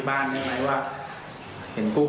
เขาเลยไม่แน่ใจกันเลย